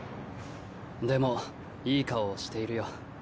でもいい顔をしているよ。